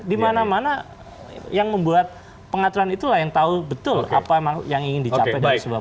dimana mana yang membuat pengaturan itulah yang tahu betul apa yang ingin dicapai dari sebuah